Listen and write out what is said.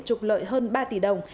trục lợi hơn ba tỷ đồng